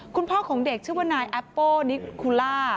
คุณพ่อของเด็กชื่อว่านายแอปโป้นิคูล่า